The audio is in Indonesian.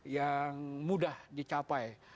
yang mudah dicapai